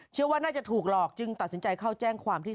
เชื่อว่าน่าจะถูกหลอกจึงตัดสินใจเข้าแจ้งความที่